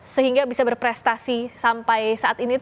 sehingga bisa berprestasi sampai saat ini